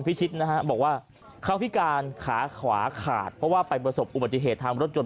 พิชิตนะฮะบอกว่าเขาพิการขาขวาขาดเพราะว่าไปประสบอุบัติเหตุทางรถยนต